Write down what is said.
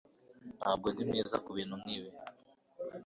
Ntabwo ndi mwiza kubintu nkibi.